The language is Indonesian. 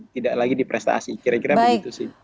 tidak lagi di prestasi kira kira begitu sih